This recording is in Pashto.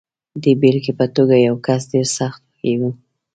د بېلګې په توګه، یو کس ډېر سخت وږی دی.